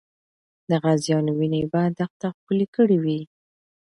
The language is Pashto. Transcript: د غازیانو وینه به دښته ښکلې کړې وي.